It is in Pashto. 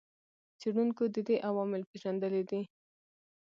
څېړونکو د دې عوامل پېژندلي دي.